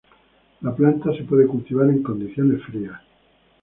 La planta puede ser cultivada en condiciones frías.